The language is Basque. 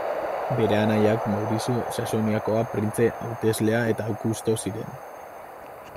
Bere anaiak Maurizio Saxoniakoa printze hauteslea eta Augusto ziren.